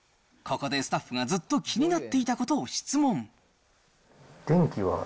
ここでスタッフがずっと気になっていたことを質問。